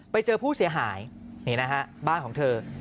ไปเจอผู้เสียหายนี่นะฮะบ้านของเธอ